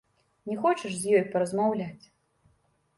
Не хочаш з ёй паразмаўляць?